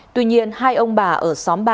tuy nhiên hai ông bà ở xóm ba